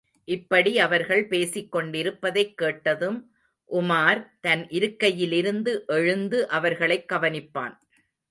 இப்படி அவர்கள் பேசிக்கொண்டிருப்பதைக் கேட்டதும் உமார் தன் இருக்கையிலிருந்து, எழுந்து அவர்களைக் கவனிப்பான்.